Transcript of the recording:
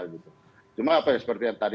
gitu cuma apa ya seperti yang tadi